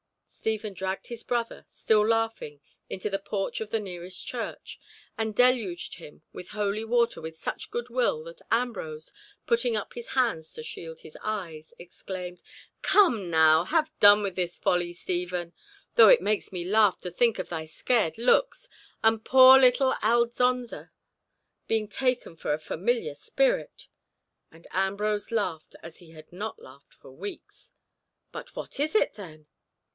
Stephen dragged his brother, still laughing, into the porch of the nearest church, and deluged him with holy water with such good will, that Ambrose, putting up his hands to shield his eyes, exclaimed, "Come now, have done with this folly, Stephen—though it makes me laugh to think of thy scared looks, and poor little Aldonza being taken for a familiar spirit." And Ambrose laughed as he had not laughed for weeks. "But what is it, then?"